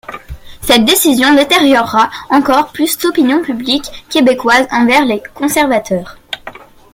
Cette décision détériora encore plus l'opinion publique québécoise envers les Conservateurs.